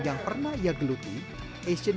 yang pernah ia geluti asian